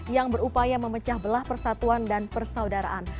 yang berupaya memecah belah persatuan dan persaudaraan